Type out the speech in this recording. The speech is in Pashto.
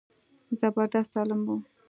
زبردست عالم و.